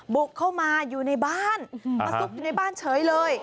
บุกเข้ามาอยู่ในบ้านมาซุกอยู่ในบ้านเฉยเลย